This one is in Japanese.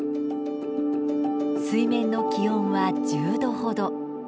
水面の気温は１０度ほど。